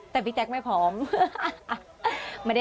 แต่พี่แจ๊คไม่พร้อม